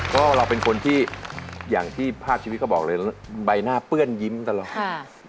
ก็เราเป็นคนที่อย่างที่ภาพชีวิตก็บอกเลยใบหน้าเปื้อนยิ้มตลอด